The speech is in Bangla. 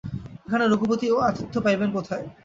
এখানে রঘুপতি আতিথ্য পাইবেন কোথায়।